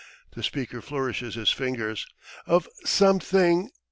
. (the speaker flourishes his fingers) ... of something